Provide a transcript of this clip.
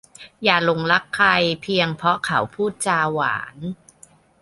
อย่าหลงรักใครเพียงเพราะเขาพูดจาหวาน